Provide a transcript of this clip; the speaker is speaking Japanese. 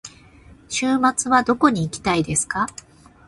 週末はどこに行きたいですか。